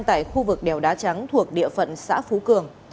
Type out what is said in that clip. tại khu vực đèo đá trắng thuộc địa phận xã phú cường